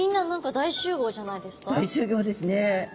大集合ですね。